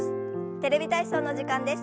「テレビ体操」の時間です。